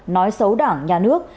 nói xấu đảng nhà nước